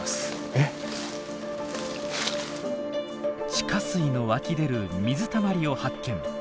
地下水の湧き出る水たまりを発見。